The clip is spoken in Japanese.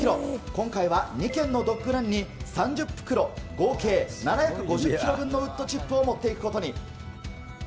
今回は２軒のドッグランに３０袋、合計７５０キロ分のウッドチップよし。